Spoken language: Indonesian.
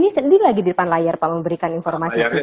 ini lagi di depan layar pak memberikan informasi juga ya pak